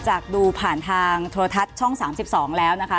จากดูผ่านทางโทรทัศน์ช่อง๓๒แล้วนะคะ